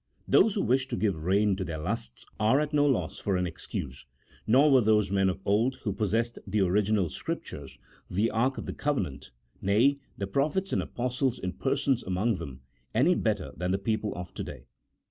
Those who wish to give rein to their lusts are at no loss for an excuse, nor were those men of old who possessed the original Scriptures, the ark of the covenant, nay, the prophets and apostles in person among them, any better than the people of to day.